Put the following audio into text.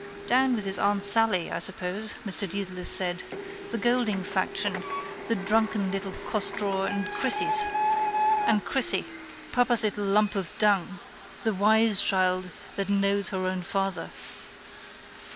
—Down with his aunt Sally, I suppose, Mr Dedalus said, the Goulding faction, the drunken little costdrawer and Crissie, papa's little lump of dung, the wise child that knows her own father.